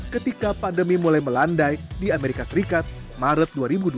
ketika pandemi mulai melandai di amerika serikat maret dua ribu dua puluh